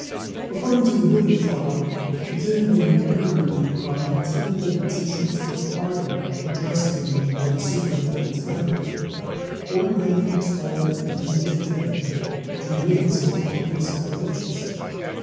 According to the bibliophile, the king being wearied by the continual petitions for pardon addressed to him by the superintendent's family, ordered them to be told that he was dead, to rid himself of their supplications.